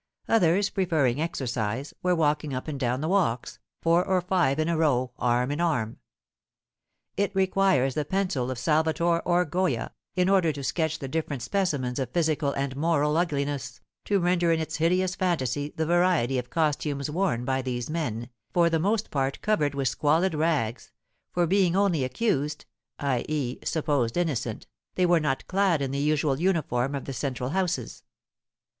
Others, preferring exercise, were walking up and down the walks, four or five in a row, arm in arm. It requires the pencil of Salvator or Goya, in order to sketch the different specimens of physical and moral ugliness, to render in its hideous fantasy the variety of costumes worn by these men, for the most part covered with squalid rags, for being only accused, i. e. supposed innocent, they were not clad in the usual uniform of the central houses.